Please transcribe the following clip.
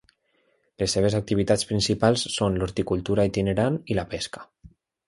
Les seves activitats principals són l'horticultura itinerant i la pesca.